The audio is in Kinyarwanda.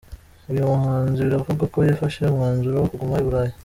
Uyu muhanzi biravugwa ko yafashe umwanzuro wo kuguma i Burayi.